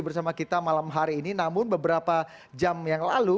bersama kita malam hari ini namun beberapa jam yang lalu